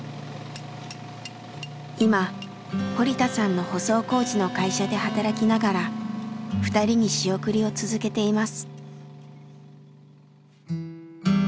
今堀田さんの舗装工事の会社で働きながら２人に仕送りを続けています。